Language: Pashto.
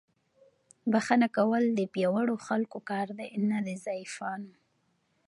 بښنه کول د پیاوړو خلکو کار دی، نه د ضعیفانو.